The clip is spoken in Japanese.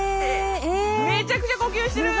めちゃくちゃ呼吸してる！